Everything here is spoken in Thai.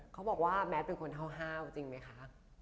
เขาบอกว่าแมทเป็นคนห้าวจริงไหมคะ